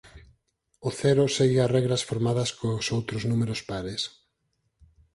O cero segue as regras formadas cos outros números pares.